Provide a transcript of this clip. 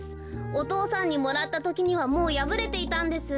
お父さんにもらったときにはもうやぶれていたんです。